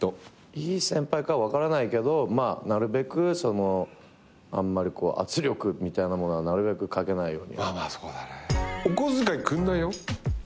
いい先輩かは分からないけどあんまり圧力みたいなものはなるべく掛けないように。